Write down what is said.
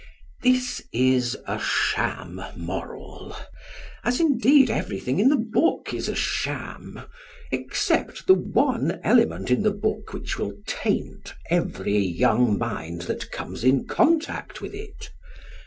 This is a sham moral, as indeed everything in the book is a sham, except the one element in the book which will taint every young mind that comes in contact with it.